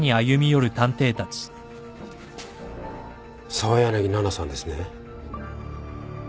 澤柳菜々さんですね？